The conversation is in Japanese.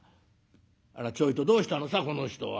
あらちょいとどうしたのさこの人は。